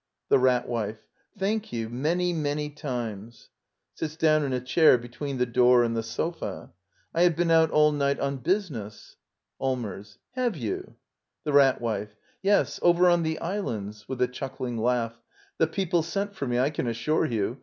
The Rat Wife. Thank you, many, many times! [Sits down in a chair between the door and the sofa.] I have been out all night on business. Digitized by VjOOQIC i Act I. ^ LITTLE EYOLF Allmers. Have you? The Rat Wife. Yes, over on ^thc islands. [With a chuckling laugh.] The people sent for me, I can assure you.